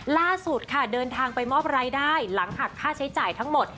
ล่าสุดค่ะเดินทางไปมอบรายได้หลังหักค่าใช้จ่ายทั้งหมด